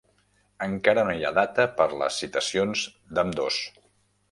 Encara no hi ha data per les citacions d'ambdós